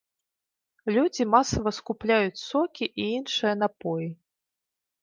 Людзі масава скупляюць сокі і іншыя напоі.